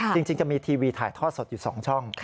จริงจะมีทีวีถ่ายทอดสดอยู่๒ช่อง